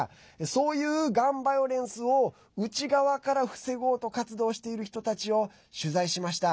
そういうガン・バイオレンスを内側から防ごうと活動している人たちを取材しました。